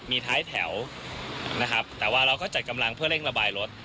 มีท้ายแถวนะครับแต่ว่าเราก็จัดกำลังเพื่อเร่งระบายรถ